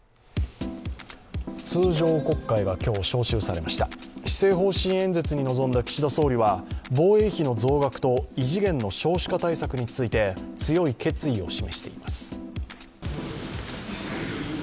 通常国会が今日、召集されました施政方針演説に臨んだ岸田総理は防衛費の増額と異次元の少子化対策について強い決意を示しています。